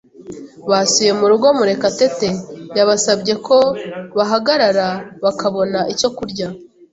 Basubiye mu rugo, Murekatete yabasabye ko bahagarara bakabona icyo kurya.